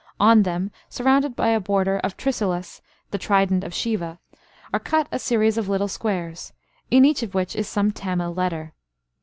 On them, surrounded by a border of trisulas (the trident of Siva) are cut a series of little squares, in each of which is some Tamil letter.